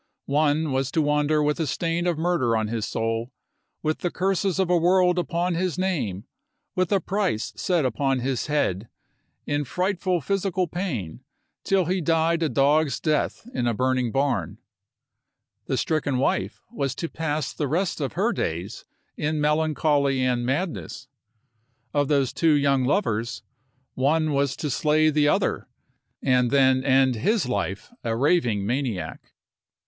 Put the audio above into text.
One was to wander with the stain of murder on his soul, with the curses of a world upon his name, with a price set upon his head, in frightful physical pain, till he died a dog's death in a burning barn ; the stricken wife was to pass the rest of her days in melancholy and madness ; of those two young lovers, one was to slay the other, and then end his life a raving maniac.